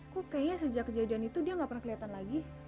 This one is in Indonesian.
kok kayaknya sejak kejadian itu dia nggak pernah kelihatan lagi